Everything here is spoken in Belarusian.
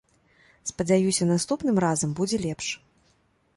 Спадзяюся наступным разам будзе лепш.